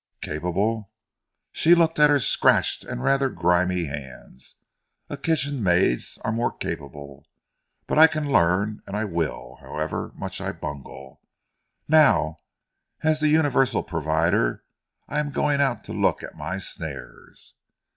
"Capable!" she looked at her scratched and rather grimy hands. "A kitchen maid's are more capable! But I can learn, and I will, however much I bungle. Now, as the universal provider, I am going out to look at my snares."